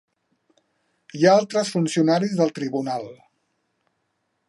Hi ha altres funcionaris del tribunal.